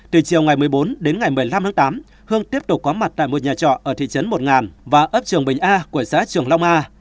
từ chiều ngày một mươi bốn đến ngày một mươi năm tháng tám hương tiếp tục có mặt tại một nhà trọ ở thị trấn một ngàn và ấp trường bình a của xã trường long a